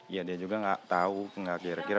ya dia juga gak tau gak kira kira